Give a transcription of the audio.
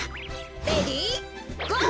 レディーゴー！